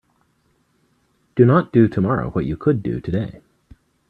Do not do tomorrow what you could do today.